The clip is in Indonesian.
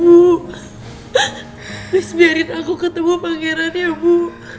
bu please biarin aku ketemu pangeran ya bu